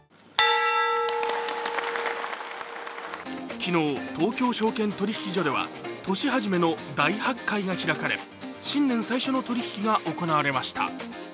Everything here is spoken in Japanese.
昨日、東京証券取引所では年始めの大発会が開かれ新年最初の取引が行われました。